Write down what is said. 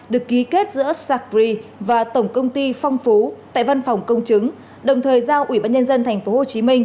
được ký kết giữa sacri và tổng công ty phong phú tại văn phòng công chứng đồng thời giao ủy ban nhân dân tp hcm